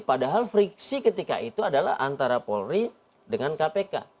padahal friksi ketika itu adalah antara polri dengan kpk